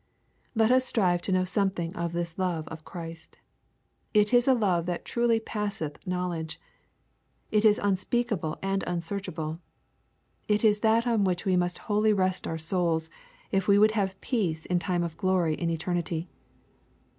Let us strive to know something of this love of Christ. It is a love that truly passeth knowledge. It is unspeak able and unsearchable. It is that on which we must wholly rest our souls, if we would have peace in time and glory in eternity.